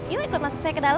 yuk ikut masuk saya ke dalam